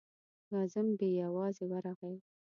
کازم بې یوازې ورغی.